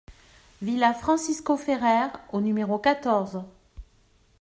Villa Francisco Ferrer au numéro quatorze